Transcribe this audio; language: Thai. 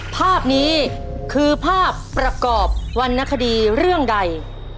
ภาพนี้คือภาพประกอบวรรณคดีเรื่องใด